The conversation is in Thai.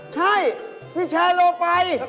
ใช่พี่แชร์โลเมอไป